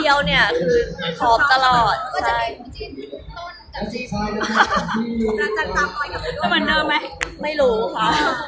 เอยหรือกระเทรกันเรียบร้อย